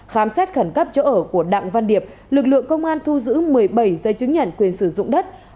khám xét khẩn cấp chỗ ở của đặng văn điệp lực lượng công an thu giữ một mươi bảy dây chứng nhận quyền sử dụng đất